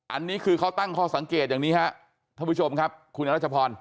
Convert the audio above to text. อันนี้คือเขาตั้งข้อสังเกตอย่างนี้ครับท่านผู้ชมครับคุณรัชพร